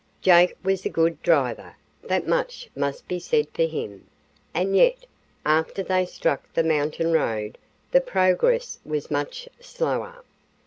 Jake was a good driver that much must be said for him; and yet, after they struck the mountain road the progress was much slower.